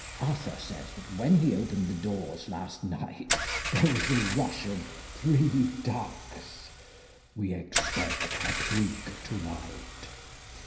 Arthur says that when he opened the doors last night, there was a rush of — three Ducks ! We expect a Pig to night.